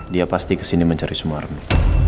dia pasti kesini mencari sumarmi